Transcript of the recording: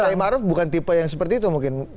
kiai maruf bukan tipe yang seperti itu mungkin